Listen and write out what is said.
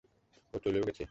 ওহ, চলেও গেছে!